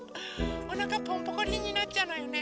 おなかポンポコリンになっちゃうのよね。